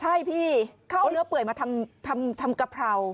ใช่พี่เขาเอาเนื้อเปื่อยมาทำกะเพรา